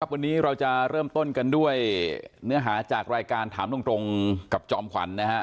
วันนี้เราจะเริ่มต้นกันด้วยเนื้อหาจากรายการถามตรงกับจอมขวัญ